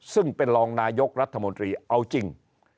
ซึ่งเป็นรองนายกรัฐมนตรีเอาจริง